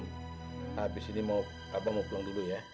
rum abis ini mau abah mau pulang dulu ya